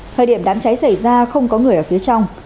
thời điểm đám cháy xảy ra không có người ở phía trong